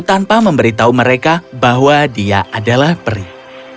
tanpa memberitahu mereka bahwa dia adalah perih